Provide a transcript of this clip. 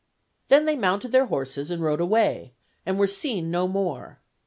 Then they mounted their horses and rode away, and were seen no more.